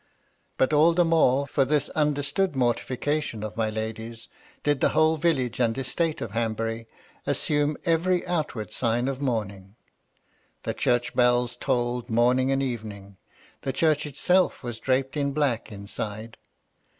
But all the more, for this understood mortification of my lady's, did the whole village and estate of Hanbury assume every outward sign of mourning. The church bells tolled morning and evening. The church itself was draped in black inside.